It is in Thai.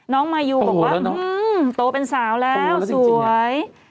มายูบอกว่าโตเป็นสาวแล้วสวย